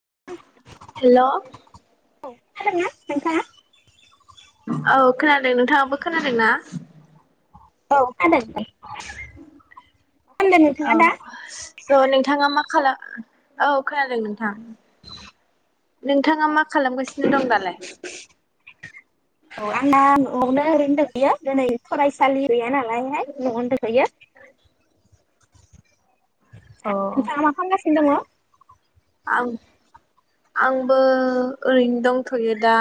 [unintelligible] हेल' औ हागोनना नोंथाङा? औ खोनादों नोंथाङाबो खोनादों ना। औ खोनादों। खालामदों नोंथाङा औ दा? स' नोंथाङा मा खाला औ खोनादों नोंथां। नोंथाङा मा खालामगासिनो दं दालाय आंना न'आवनो ओरै होनदों बियो दिनै फरायसालि गैया नालाय [unintelligible] नङावनो दंथ'यो। अ थां मा खामगासिनो सिनो दं। आं आंबो ओरैनो दंथ'यो दा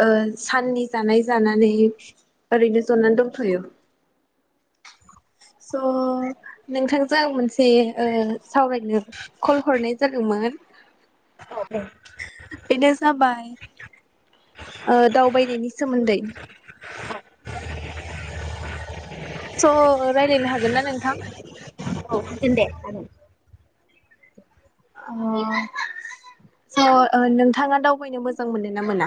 ओ साननि जानाय जानानै ओरैनो जनानै दंथ'यो। स' नोंथांजों आं मोनसे ओ सावरायनो कल हरनाय जादोंमोन। औ दे बेनो जाबाय ओ दावबायनायनि सोमोन्दै स' राय्लायनो हागोन ना नोंथां! औ [unintelligible] आ‌ स' नोंथाङा दावबायनो मोजां मोनो ना मोना?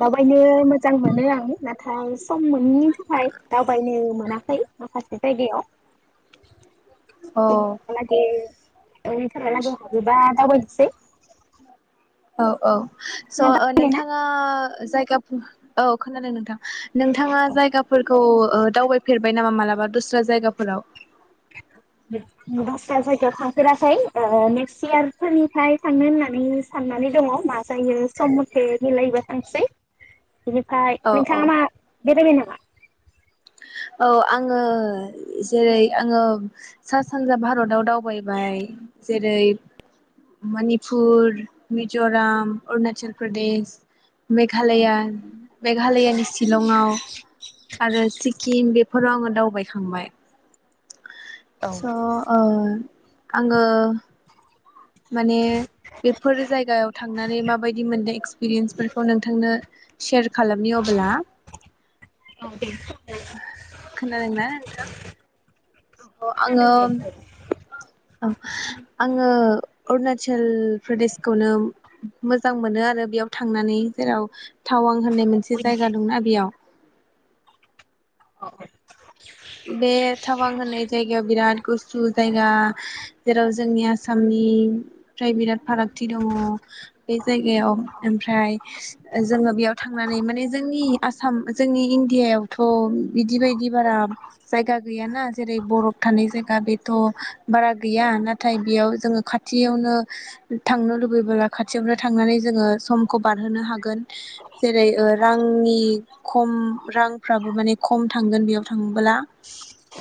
दावबायनो मोजां मोनो आं नाथाय सम मोनैनि थाखाय दावबायनो मोनाखै माखासे जायगायाव अ [unintelligible] सै औ औ। स' ओ नोंथाङा जायगाफो औ खोनादों नोंथां। नोंथाङा जायगाफोरखौ ओ दावबायफेरबाय नामा मालाबा दस्रा जायगाफोराव? दस्रा जायगायाव थांफेराखै ओ नेक्स्ट यार फोरनिफ्राय थांनो होननानै साननानै दङ मा जायो सम मथे मिलायबा थांसै। बिनिफ्राय औ औ नोंथाङा मा बेरायबाय नामा? औ आङो जेरै आङो सा सानजा भारताव दावबायबाय जेरै मनिपुर, मिज'राम, अरुणाचल प्रदेश। मेघालया मेघालयानि शिलंआव आरो सिकिम बेफोराव आङो दावबायखांबाय। स' ओ आङो माने बेफोर जायगायाव थांनानै माबायदि मोनदों एक्सपिरियेन्सफोरखौ नोंथांनो सेयार खालामनि अबोला औ दे खोनादोंना नोंथां? अ खोनादों आङो दे औ औ आङो अरुणाचल प्रदेसखौनो मोजां मोनो आरो बेयाव थांनानै जेराव टावां होननाय मोनसे जायगा दंना बेयाव। [unintelligible] बे थावां होननाय जायगायाव बिराद गुसु जायगा जेराव जोंनि आसामनिफ्राय बिराद फारागथि दङ बे जायगायाव ओमफ्राय ओ जोङो बेयाव थांनानै माने जोंनि आसाम जोंनि इण्डियावथ' बिदि बायदि बारा जायगा गैया ना? जेरै बर'फ थानाय जायगा बेथ' बारा गैया नाथाय बेयाव जोङो खाथियावनो थांनो लुबैबोला खाथियावनो थांनानै जोङो समखौ बारहोनो हागोन जेरै ओ रांनि खम रांफ्राबो माने खम थांगोन बेयाव थां बोला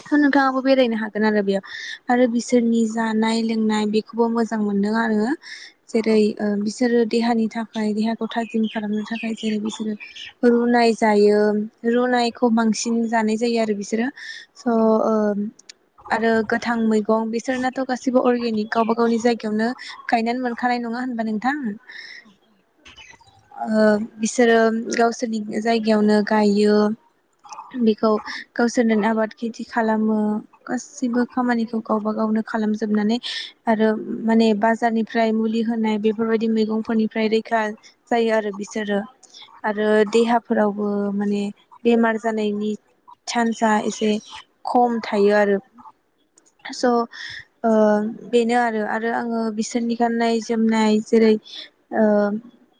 हा नोंथाङाबो बेरायनो हागोन आरो बेयाव आरो बिसोरनि जानाय लोंनाय बेखौबो मोजां मोनदों आरो जेरै ओ बिसोरो देहानि थाखाय देहाखौ थाजिम खालामनो थाखाय जेरै बिसोरो रुनाय जायो रुनायखौ बांसिन जानाय जायो आरो बिस सोरो स ओ आरो गोथां मैगं बिसोरनाथ' गासिबो अर्गेनिक गावबा गावनि जायगायावनो गायनानै मोनखानाय नङा होनबा नोंथां ओ बिसोरो गावसोरनि जायगायावनो गायो बेखौ गावसोरनो आबाद खेथि खालामो गासैबो खामानिखौ गावबा गावनो खालामजोबनानै आरो माने बाजारनिफ्राय मुलि होनाय बेफोरबायदि मैगंफोरनिफ्राय रैखा जायो आरो बिसोरो आरो देहाफोरावबो माने बेमार जानायनि चान्सआ एसे खम थायो आरो स' ओ बेनो आरो आरो आङो बिसोरनि गाननाय जोमनाय जेरै ओ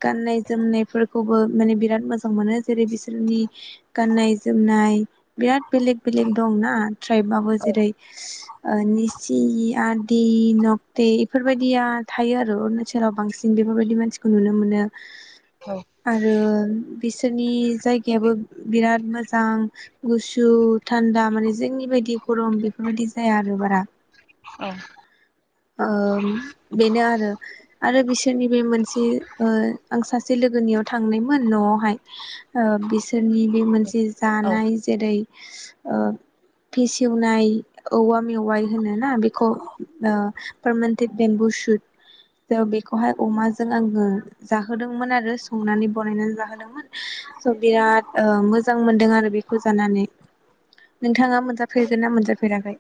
गाननाय जोमनायफोरखौबो माने बिराद मोजां मोनो जेरै बिसोरनि गाननाय जोमनाय बिराद बेलेग बेलेग दंना ट्राइबाबो जेरै ओ निसि आदि नक्टे इफोरबायदिया थायो आरो अरुणाचलाव बांसिन बेफोरबायदि मानसिखौ नुनो मोनो। आरो बिसोरनि जायगायाबो बिराद मोजां। गुसु थान्दा माने जोंनि बायदि गरम बेफोरबायदि जाया आरो बारा। औ। ओ बेनो आरो आरो बिसोरनि बे मोनसे ओ आं सासे लोगोनियाव थांनायमोन न'आवहाय ओ बिसोरनि बे मोनसे बे औ जानाय जेरै ओ फेसेवनाय औवा मेवाइ होनोना बेखौ ओ पारमानटेट बेम्बु सुट ओ बेखौहाय अमाजों आङो जाहोदोंमोन आरो संनानै बानायनानै जाहोदोंमोन स' बिराद ओ मोजां मोनदों आरो बेखौ जानानै नोंथाङा मोनजाफेरगोन ना मोनजाफेराखै?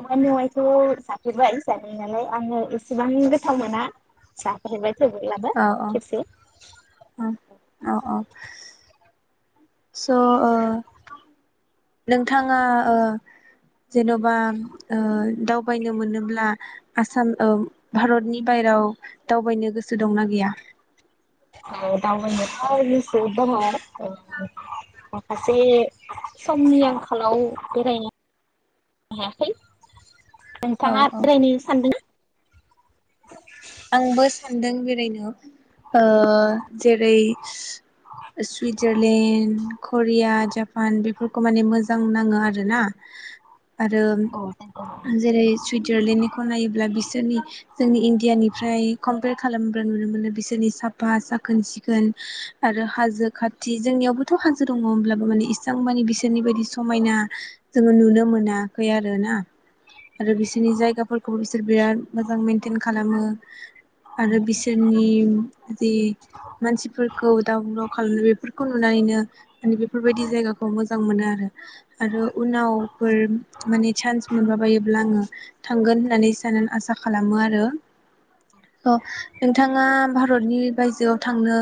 औवा मेवाइखौ जाफेरबाय जानायालाय आङो एसेबां गोथाव मोना जाफेरबाय थेवब्लाबो औ औ खेबसे। औ औ औ। स' ओ नोंथाङा ओ जेन'बा ओ दावबायनो मोनोब्ला आसाम ओ भारतनि बायराव दावबायनो गोसो दंना गैया? ओ दावबायनोथ' गोसो दङ ओ माखासे समनि आंखालाव बेरायनो हायाखै। औ नोंथाङा औ बेरायनो सानदों? आंबो सानदों बेरायनो ओ जेरै सुइजारलेण्ड करिया, जापान बेफोरखौ माने मोजां नाङो आरोना। आरो औ जेरै सुइजारलेण्डनिखौ नायोब्ला बिसोरनि जोंनि इण्डियानि फ्राय [unintelligible] खालामोब्रा नुनो मोनो बिसोरनि साफा साखोन सिखोन आरो हाजो खाथि जोंनियावबोथ' हाजो दङ होमब्लाबो माने इसां मानि बिसोरनि बायदि समायना जोङो नुनो मोनाखै आरो ना आरो बिसोरनि जायगाफोरखौबो बिसोर बिराद मोजां मेनटेन खालामो। आरो बिसोरनि जि मानसिफोरखौ [unintelligible] बेफोरखौ नुनानैनो मानि बेफोरबायदि जायगाखौ मो जां मोनो आरो। आरो उनावफोर माने सान्स मोनबा बायोब्ला आङो थांगोन। होननानै साननानै आसा खालामो आरो। अह नोंथाङा भारतनि बायजोआव थांनो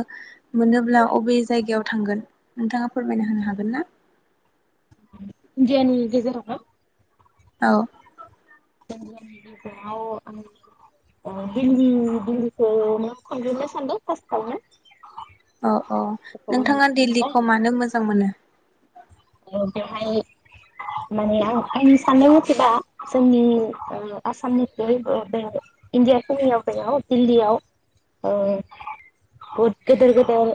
मोनोब्ला अबे जायगायाव थांगोन नोंथाङा फोरमायना होनो हागोन ना? इन्डियानि गेजेरावना? औ। इन्डियानि गेजेराव उम अह दिल्ली दिल्लीखौनो थांगोरनो सानदों फार्स्टावनो। औ औ नोंथाङा नालाय दिल्लीखौ मानो मोजां मोनो? ओ बेवहाय माने आं आंनि साननाय मथेबा जोंनि ओ आसामनिफ्राय बे इण्डियाफोरनियाव बेयाव दिल्लीयाव ओ बहुद गोदोर गोदोर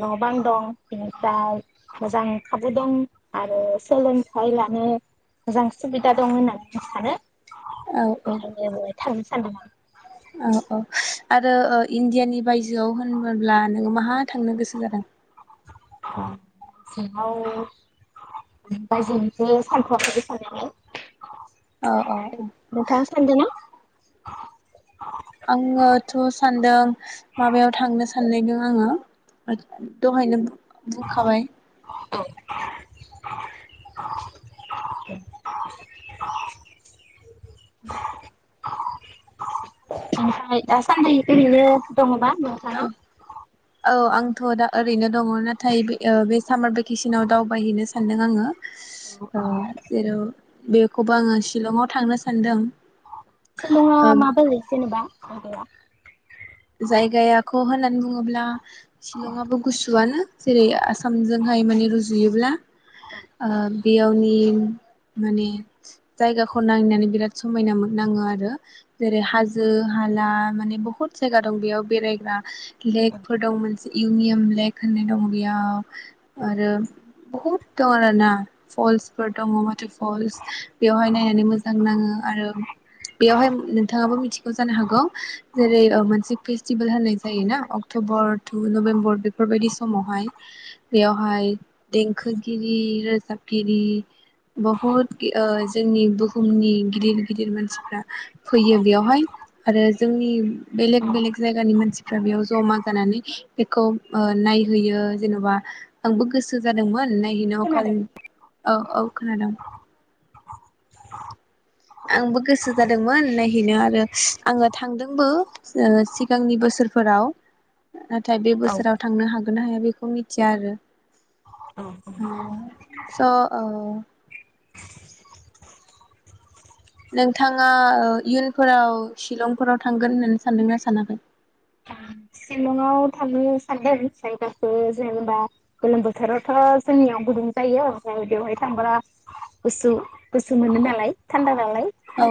न' बां दं बेनिफ्राय मोजां खा दं आरो सोलोंथाइ लानो मोजां सुबिदा दं होननानै आं सानो। औ औ [inaudible] थांनो सानदों आं। औ औ आरो ओ इण्डियानि बायजोआव होनबोब्ला नोङो माहा थांनो गोसो जादों? [unintelligible] बायजोनिखौ सानथ'वाखै औ औ साननायालाय। नोंथाङा सानदों ना? आङोथ' सानदों माबायाव थांनो साननाय दों आंहा ओ दहायनो बुंखाबाय। [unintelligible] दासान्दि ओरैनो। दङोबा औ नंथां। औ आंथ' दा ओरैनो दङ नाथाय बे ओ बे सामार भेकेसनाव दावबायहैनो सानदों आङो आ जेर' बेखौबो आङो शिलंआव थांनो सानदों। सिलङा ओ माबोरै जेनेबा जायगाया अब्ला शिलंआबो गुसुआनो जेरै आसामजोंहाय माने रुजुयोब्ला आ बेयावनि माने जायगाखौ नायनानै बिराद समायना मोन नाङो आरो जेरै हाजो हाला माने बहुत जायगा दं बेयाव बेरायग्रा लेकफोर दं मोन इउमियाम लेक होननाय दं बेयाव आरो बहुद दं आरोना फलसफोर दङ माथ फलस बेयावहाय नायनानै मोजां नाङो आरो बेयावहाय नोंथाङाबो मिथिगौ जानो हागौ जेरै मोनसे फेस्टिभेल होननाय जायोना अक्ट'बर टु नभेम्बर बेफोरबायदि समावहाय बेयावहाय देंखोगिरि रोजाबगिरि बहुद ओ जोंनि बुहुमनि गिदिर गिदिर मानसिफ्रा फैयो बेयावहाय आरो जोंनि बेलेग खोनादों बेलेग जायगानि मानसिफ्रा बेयाव जमा जानानै बेखौ ओ नायहैयो जेन'बा आंबो गोसो जादोंमोन न औ औ खोनादों आंबो गोसो जादोंमोन नायहैनो आरो आङो थांदोंबो ओ सिगांनि बोसोर फोराव नाथाय बे बोसोराव थांनो हा गोनना हाया बेखौ मिथिया आरो ओ स' ओ [inaudible] नोंथाङा ओ इयुनफोराव शिलंफोराव थांगोन होननानै सानदोंना सानाखै शिलंआव थांनो सानदों जायगाफोर जेनेबा गोलोम बोथोरावथ' जोंनियाव गुदुं जायो ओमफाय बेवहाय थांबा गुसु गुसु मोनो नालाय थान्दा नालाय औ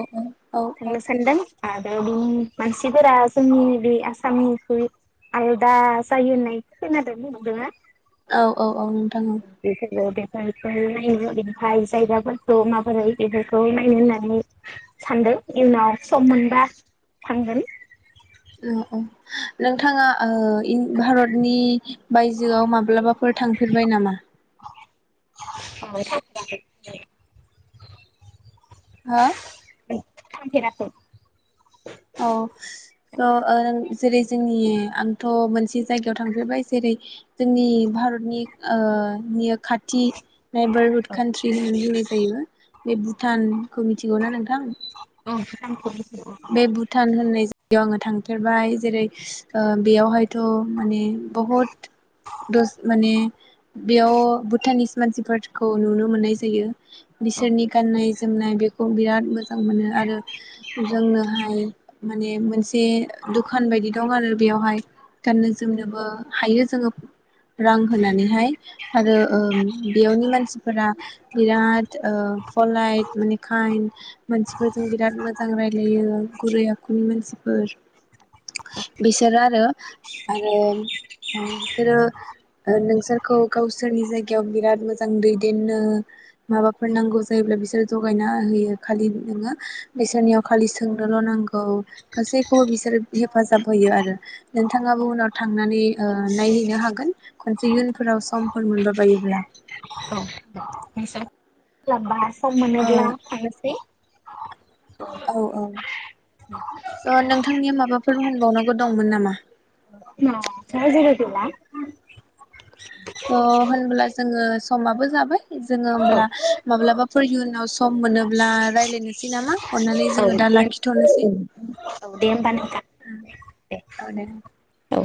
औ थांनो सान्दों आदाव बि मानसिफोरा जोंनि बे आ सामनिख्रुइ आलदा जायो होन्नाय खोनादों नंगौना औ औ औ नोंथां औ [unintelligible] ओमफाय जायगाफोरखौ माबोरै बेफोरखौ नायनो होननानै सानदो इउनाव सम मोनबा थांगोन । औ औ नोंथाङा ओ इन भारतनि बायजोआव माब्लाबाफोर थांफेरबाय नामा? [unintelligible] हो? थांफेराखै। औ स' ओ जेरै जोंनि आंथ' मोनसे जायगायाव थांफेरबाय जेरै जोंनि भारतनि ओ नियख खाथि नेबारहुड कान्ट्रि होननानै बुंनाय जायोना बे भुटानखौ मिथिगौना नोंथां? [unintelligible] बे भुटान होननाय बेयाव आङो थांखेरबाय जेरै ओ बेयावहाय थ' माने बहुत दस माने बेयाव भुटाननिस मानसिफोरखौ नुनो मोननाय जायो। बिसोरनि गाननाय जोमनाय बेखौ बिराद मो जां मोनो आरो जोंनोहाय मा माने मोनसे ए दुखान बायदि दं आरो बेयावहाय। गाननो जोमनोबो हायो जोङो रां होनानैहाय आरो ओ बेयावनि मानसिफोरा बिराद ओ फलाइट माने काइड मानसिफोरजों बिराद मोज मिलायो गुरै आखुनि मानसिफोर बिसोरो आरो आरो ओं बिसोरो ओ नोंसोरखौ गावसोरनि जायगायाव बिराद मोजां दैदेननो माबाफोर नांगौ जायोब्ला बिसोरो जगायना होयो खालि नोङो बिसोरनियाव खालि सोंनोल' नांगौ गासैखौबो बिसोर हेफाजाब होयो आरो नोंथाङाबो उनाव थांनानै ओ नायहैनो हागोन खनसे इयुनफोराव सम फोर मोनबा बायोब्ला। औ [unintelligible] सम ओ मोनोब्ला थांनोसै। औ औ स' नोंथांनिया माबाफ फोर बुंबावनांगौ दंमोन नामा? [unintelligible] गैला। ओ होनब्ला जोङो समाबो जाबाय। जोङो औ होमब्ला माब्लाबाफोर इयुनाव सम मोनोब्ला रायलायनो सि नामा? अननानै औ जोङो दा दे लाखिथ'नोसै ओम औ दे होमबा नोंथां औ दे। औ।